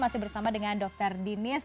masih bersama dengan dr dinis